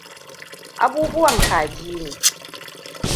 Abubuwan kaji ne.